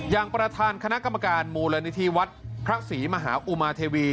อย่างประธานคณะกรรมการมูลนิธิวัดพระศรีมหาอุมาเทวี